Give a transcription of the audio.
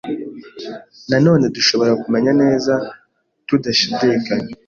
Nanone dushobora kumenya neza tudashidikanya